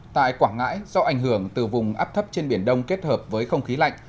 tại quảng ngãi do ảnh hưởng từ vùng áp thấp trên biển đông kết hợp với không khí lạnh